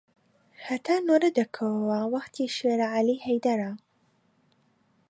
هەتا نۆرە دەکەوەوە وەختی شێرعەلی هەیدەرە